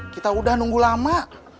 kita udah nunggu lama